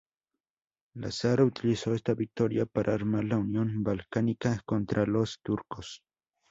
Lazar utilizó esta victoria para armar la unión balcánica contra los turcos.